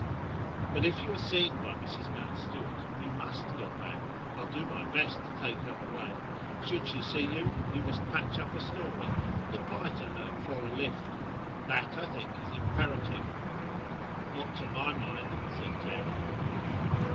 "But if you are seen by Mrs. Mountstuart, you must go back. I'll do my best to take her away. Should she see you, you must patch up a story and apply to her for a lift. That, I think, is imperative." "Not to my mind," said Clara.